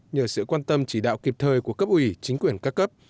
nhờ sự quan tâm chỉ đạo kịp thời của cấp ủy chính quyền các cấp